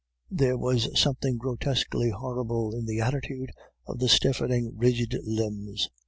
There was something grotesquely horrible in the attitude of the stiffening rigid limbs.